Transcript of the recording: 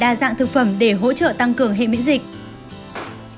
đảm bảo đa dạng thực phẩm để hỗ trợ tăng cường hệ miễn dịch